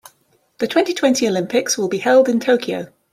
The twenty-twenty Olympics will be held in Tokyo.